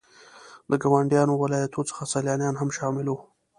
له ګاونډيو ولاياتو څخه سيلانيان هم شامل وو.